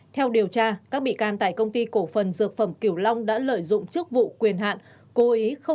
theo điều tra các bị can tại công ty cổ phần dược phẩm kiểu long đã lợi dụng chức vụ quyền hạn cố ý